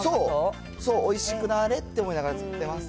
そう、おいしくなーれって思いながら作ってます。